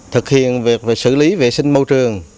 thực hiện việc xử lý vệ sinh mâu trường